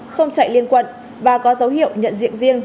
không chạy liên quận và có dấu hiệu nhận diện riêng